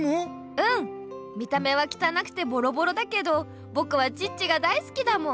うん見た目はきたなくてボロボロだけどぼくはチッチが大好きだもん。